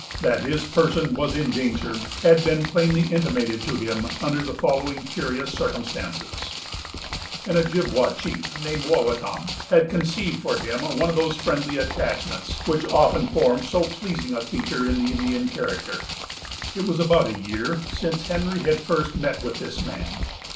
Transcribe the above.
That his person was in danger, had been plainly intimated to him, under the following curious circumstances:—— An Ojibwa chief, named Wawatam, had conceived for him one of those friendly attachments which often form so pleasing a feature in the Indian character. It was about a year since Henry had first met with this man.